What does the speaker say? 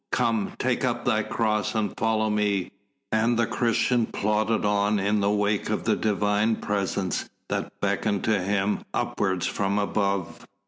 "Come, take up thy cross and follow me!" and the Christian plodded on in the wake of the Divine Presence that beckoned to him upwards from above.